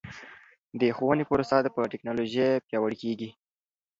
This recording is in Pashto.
د ښوونې پروسه په ټکنالوژۍ پیاوړې کیږي.